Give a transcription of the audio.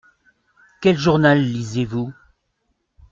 Quel journal lisez-vous ?